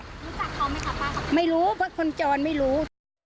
รู้จักเขาไหมคะป้าครับไม่รู้ว่าคนจรไม่รู้